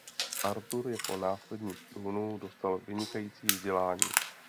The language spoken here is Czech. Artur jako následník trůnu dostal vynikající vzdělání.